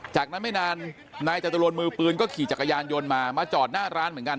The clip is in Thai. จากนั้นไม่นานนายจตุรนมือปืนก็ขี่จักรยานยนต์มามาจอดหน้าร้านเหมือนกัน